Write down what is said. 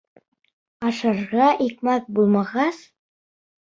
Ашарға икмәк булмағас?